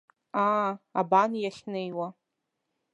Аа, абан иахьнеиуа!